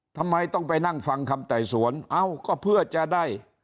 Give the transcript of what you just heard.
ทำไมต้องไปนั่งฟังคำไต่สวนเอ้าก็เพื่อจะได้